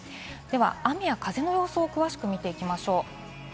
雨や風の予想を詳しく見ていきましょう。